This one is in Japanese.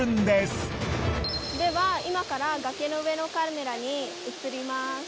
では今から崖の上のカメラにうつります。